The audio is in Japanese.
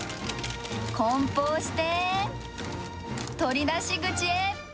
梱包して、取り出し口へ。